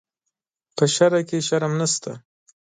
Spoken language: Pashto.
په شرعه کې شرم نشته.